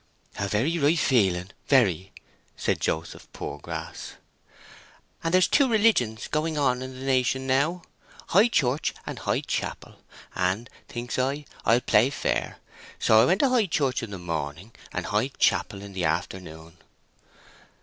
"A very right feeling—very," said Joseph Poorgrass. "And there's two religions going on in the nation now—High Church and High Chapel. And, thinks I, I'll play fair; so I went to High Church in the morning, and High Chapel in the afternoon."